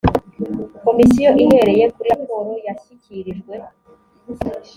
komisiyo ihereye kuri raporo yashyikirijwe